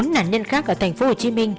bốn nạn nhân khác ở tp hcm